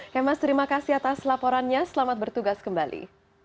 kemas terima kasih atas laporannya selamat bertugas kembali